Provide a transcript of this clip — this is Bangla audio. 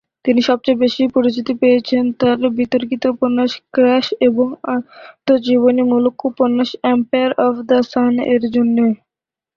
তিনি সবচেয়ে বেশি পরিচিতি পেয়েছেন তার বিতর্কিত উপন্যাস "ক্র্যাশ" এবং আত্মজীবনীমূলক উপন্যাস এম্পায়ার অফ দ্য সান-এর জন্য।